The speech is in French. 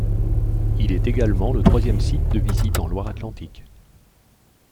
Il est également le troisième site de visite en Loire-Atlantique.